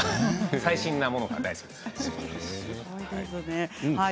最新なものが大好きです。